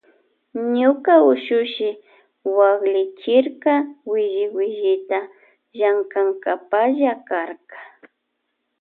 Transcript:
Ñuka ushushi waklichirka willi willita llankankapalla karka.